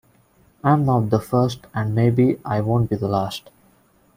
I'm not the first and maybe I won't be the last.